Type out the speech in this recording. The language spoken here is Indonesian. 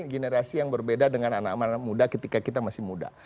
generasi yang berbeda dengan anak anak muda ketika kita masih muda